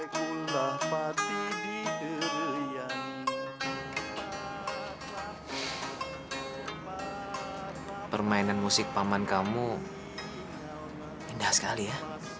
paman permainan musik paman kamu indah sekali ya